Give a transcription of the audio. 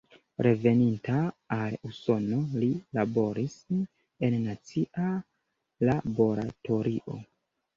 Reveninta al Usono li laboris en nacia laboratorio.